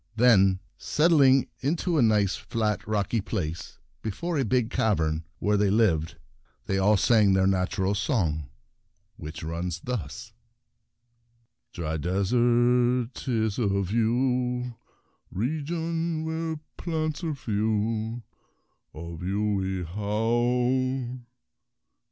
Then settling into a nice flat rocky place before a big cavern where they lived, they ' all sang their national song, which runs thus :" Dry Desert , 't is of you, Region where plants are few Of you we howl